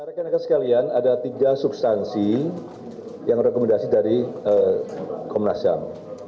reken reken sekalian ada tiga substansi yang rekomendasi dari komnasam